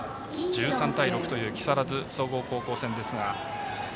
１３対６という木更津総合高校戦。